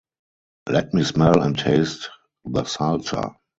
Let me smell and taste the salsa.